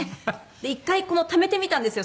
一回ためてみたんですよ。